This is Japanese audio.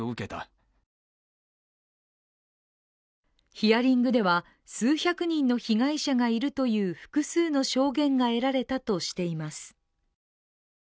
ヒアリングでは、数百人の被害者がいるという複数の証言が得られたとしています。